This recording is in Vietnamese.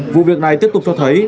vụ việc này tiếp tục cho thấy